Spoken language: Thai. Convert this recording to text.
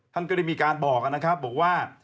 ท่านก็ได้มีการบอกว่า